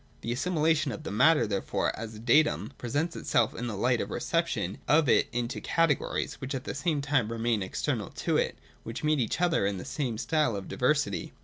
The assimilation of the matter, therefore, as a datum, presents itself in the light of a reception of it into categories which at the same time remain external to it, and which meet each other in the same style of diversity.